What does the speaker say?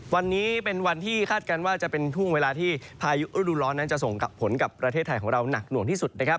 วันนี้เป็นวันที่คาดการณ์ว่าจะเป็นช่วงเวลาที่พายุฤดูร้อนนั้นจะส่งผลกับประเทศไทยของเราหนักหน่วงที่สุดนะครับ